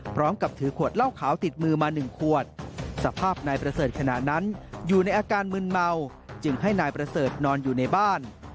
พร้อมกับถือขวดเหล้าขาวติดมือมา๑ขวดสภาพนายประเสริฐขณะนั้นอยู่ในอาการมึนเมาจึงให้นายประเสริฐนอนอยู่ในบ้าน